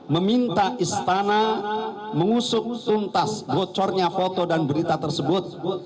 meminta istana mengusut tuntas bocornya foto dan berita tersebut